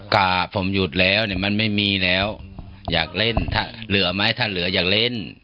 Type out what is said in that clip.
อ่าผมหยุดแล้วเนี่ยมันไม่มีแล้วอยากเล่นถ้าเหลือไหมถ้าเหลืออยากเล่น